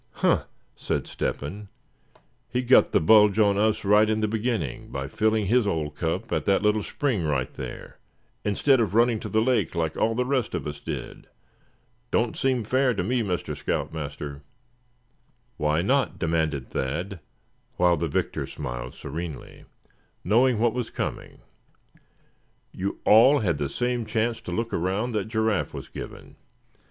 "Huh!" said Step hen, "he got the bulge on us right in the beginning by filling his old cup, at that little spring right here, instead of running to the lake like all the rest of us did. Don't seem fair to me, Mr. Scout Master." "Why not?" demanded Thad, while the victor smiled serenely, knowing what was coming. "You all had the same chance to look around that Giraffe was given.